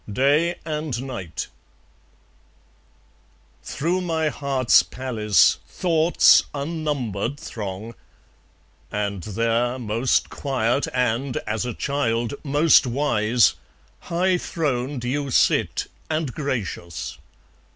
Day and Night Through my heart's palace Thoughts unnumbered throng; And there, most quiet and, as a child, most wise, High throned you sit, and gracious.